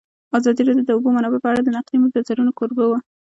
ازادي راډیو د د اوبو منابع په اړه د نقدي نظرونو کوربه وه.